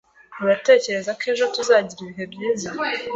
Uratekereza ko ejo tuzagira ibihe byiza?